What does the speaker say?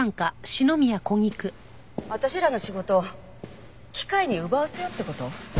私らの仕事を機械に奪わせようって事？